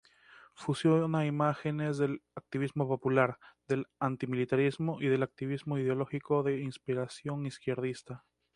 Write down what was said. Fusiona imágenes del activismo popular, del antimilitarismo y del activismo ideológico de inspiración izquierdista.